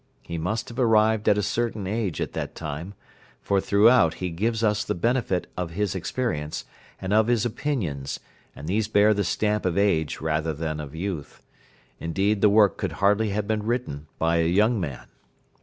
He must have arrived at a certain age at that time, for throughout he gives us the benefit of his experience, and of his opinions, and these bear the stamp of age rather than of youth; indeed the work could hardly have been written by a young man.